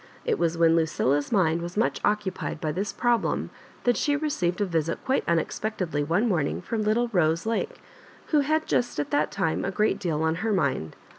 It was when Lucilla's mind was much occupied by this problem that she received a visit quite unexpectedly one morning from little Rose Lake, who had just at that time a great deal on her mind.